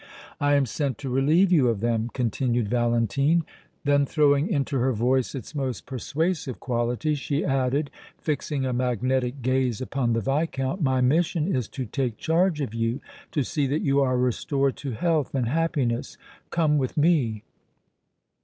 "I am sent to relieve you of them," continued Valentine. Then, throwing into her voice its most persuasive quality, she added, fixing a magnetic gaze upon the Viscount: "My mission is to take charge of you, to see that you are restored to health and happiness. Come with me!"